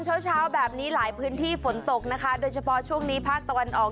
เช้าเช้าแบบนี้หลายพื้นที่ฝนตกนะคะโดยเฉพาะช่วงนี้ภาคตะวันออก